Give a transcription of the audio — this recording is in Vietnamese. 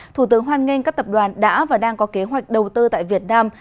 thủ tướng hoan nghênh các tập đoàn đã và đang có kế hoạch đầu tư tại việt nam